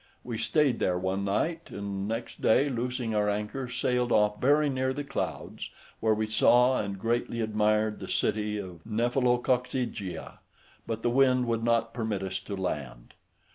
We stayed there one night, and next day loosing our anchor, sailed off very near the clouds; where we saw, and greatly admired the city of Nephelo coccygia, {98a} but the wind would not permit us to land.